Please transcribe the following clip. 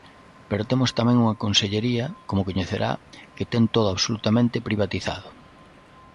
Pero temos tamén unha consellería –como coñecerá– que ten todo absolutamente privatizado.